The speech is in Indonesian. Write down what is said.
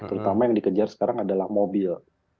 terutama yang dikejar sekarang adalah mobil